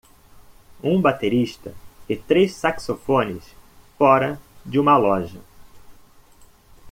Um baterista e três saxofones fora de uma loja.